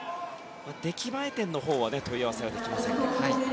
出来栄え点のほうは問い合わせできません。